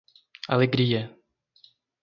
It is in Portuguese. Alegria